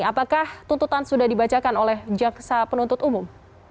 apakah tuntutan sudah dibacakan oleh jaksa penuntut umum